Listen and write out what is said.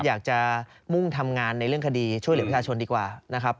อยากจะมุ่งทำงานในเรื่องคดีช่วยเหลือประชาชนดีกว่านะครับ